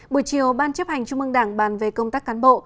buổi chiều ban chấp hành trung mương đảng bàn về công tác cán bộ